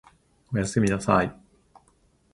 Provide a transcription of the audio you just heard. お休みなさい